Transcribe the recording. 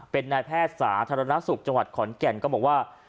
เป็นนายแพทย์สาธารณสุขจังหวัดขอนแก่นก็บอกว่า